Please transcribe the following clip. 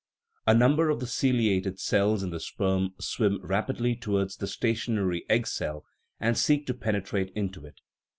A number of the ciliated cells in the sperm swim rap idly towards the stationary egg cell and seek to pene trate into it.